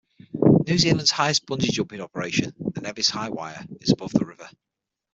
New Zealand's highest bungy jumping operation, the Nevis Highwire is above the river.